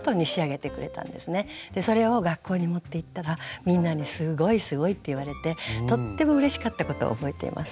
でそれを学校に持っていったらみんなに「すごいすごい」って言われてとってもうれしかったことを覚えています。